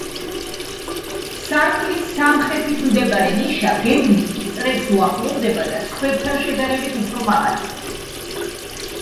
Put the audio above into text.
სარკმლის სამხრეთით მდებარე ნიშა გეგმით წრეს უახლოვდება და სხვებთან შედარებით უფრო მაღალია.